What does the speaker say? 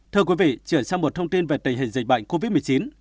thưa quý vị chuyển sang một thông tin về tình hình dịch bệnh covid một mươi chín